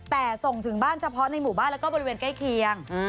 แต่ส่งถึงบ้านเฉพาะในหมู่บ้านแล้วก็บริเวณใกล้เคียง